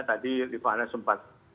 tadi livana sempat